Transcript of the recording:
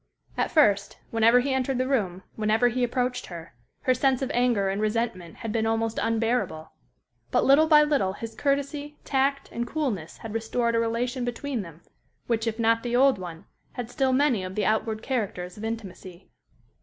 At first, whenever he entered the room, whenever he approached her, her sense of anger and resentment had been almost unbearable. But little by little his courtesy, tact, and coolness had restored a relation between them which, if not the old one, had still many of the outward characters of intimacy.